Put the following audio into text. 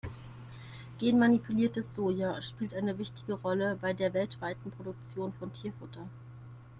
Genmanipuliertes Soja spielt eine wichtige Rolle bei der weltweiten Produktion von Tierfutter.